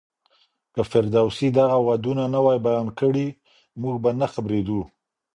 که فردوسي دغه ودونه نه وای بيان کړي، موږ به نه خبرېدو.